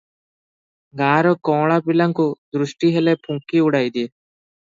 ଗାଁର କଅଁଳା ପିଲାଙ୍କୁ ଦୃଷ୍ଟିହେଲେ ଫୁଙ୍କି ଉଡ଼ାଇଦିଏ ।